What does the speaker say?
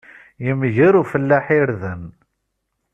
Yemger ufellaḥ irden.